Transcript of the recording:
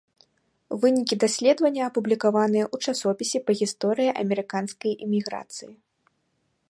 Вынікі даследавання апублікаваныя ў часопісе па гісторыі амерыканскай эміграцыі.